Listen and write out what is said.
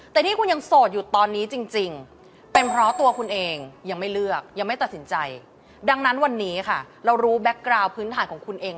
แต่ที่คุณยังโสดอยู่ตอนนี้จริง